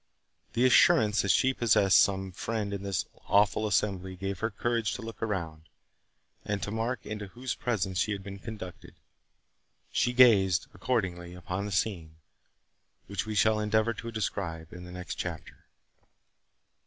The assurance that she possessed some friend in this awful assembly gave her courage to look around, and to mark into whose presence she had been conducted. She gazed, accordingly, upon the scene, which we shall endeavour to describe in the next chapter.